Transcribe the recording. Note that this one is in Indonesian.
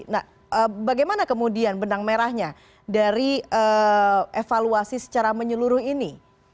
nah bagaimana kemudian benang merahnya dari evaluasi secara menyeluruh ini